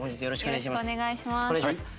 よろしくお願いします。